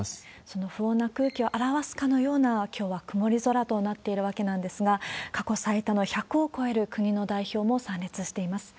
その不穏な空気を表すかのような、きょうは曇り空となっているわけなんですが、過去最多の１００を超える国の代表も参列しています。